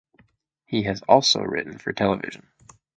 He has also written for television.